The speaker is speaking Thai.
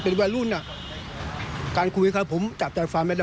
เป็นวัยรุ่นน่ะการคุยกันผมจับแต่ฟังไม่ได้